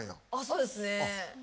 そうですね。